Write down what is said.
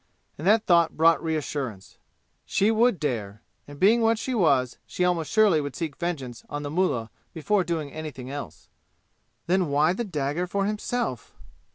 And that thought brought reassurance. She would dare, and being what she was she almost surely would seek vengeance on the mullah before doing anything else. Then why the dagger for himself?